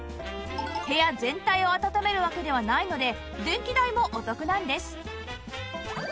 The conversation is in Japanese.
部屋全体をあたためるわけではないので電気代もお得なんです